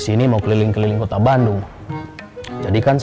kita mau ke tempat yang lain